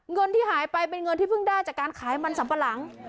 เงินที่หายไปเป็นเงินที่เพิ่งได้จากการขายมันสัมปะหลัง